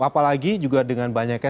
apalagi juga dengan banyaknya